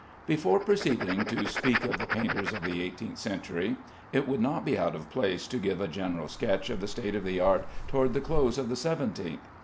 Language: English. Before proceeding to speak of the painters of the eighteenth century, it will not be out of place to give a general sketch of the state of the art toward the close of the seventeenth.